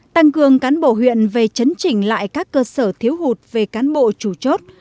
tăng cường cán bộ huyện về chấn trình lại các cơ sở thiếu hụt về cán bộ trù chốt